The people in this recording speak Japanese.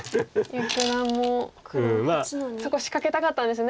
結城九段もそこ仕掛けたかったんですね。